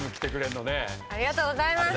ありがとうございます。